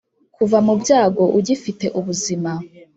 kuva mu byago ugifite ubuzima